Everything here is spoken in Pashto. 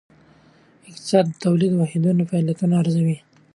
اقتصاد د تولیدي واحدونو فعالیتونه ارزوي.